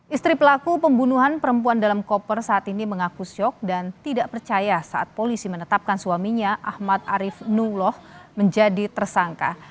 istri pelaku pembunuhan perempuan dalam koper saat ini mengaku syok dan tidak percaya saat polisi menetapkan suaminya ahmad arief nuloh menjadi tersangka